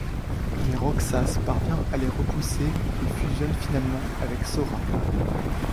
Mais Roxas parvient à les repousser et fusionne finalement avec Sora.